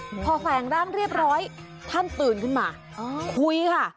พอแฝงร่างเรียบร้อยท่านตื่นขึ้นมาอ๋อคุยค่ะ